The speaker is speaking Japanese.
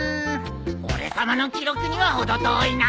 俺さまの記録には程遠いな。